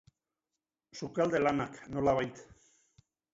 Sukalde lanak, nolabait.